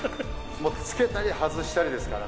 つけたり外したりですからね。